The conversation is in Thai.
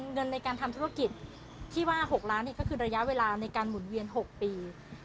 เงินในการทำธุรกิจที่ว่า๖ล้านก็คือระยะเวลาในการหมุนเวียน๖ปี